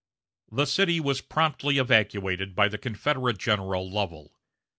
The city was promptly evacuated by the Confederate General Lovell.